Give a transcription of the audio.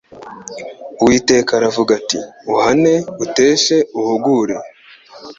Uwiteka aravuga ati : "Uhane, uteshe, uhugure,